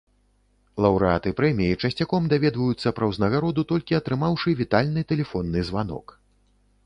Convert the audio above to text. Лаўрэаты прэміі часцяком даведваюцца пра ўзнагароду толькі атрымаўшы вітальны тэлефонны званок.